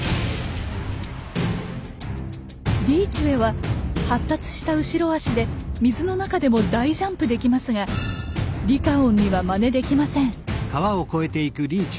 リーチュエは発達した後ろ足で水の中でも大ジャンプできますがリカオンにはまねできません。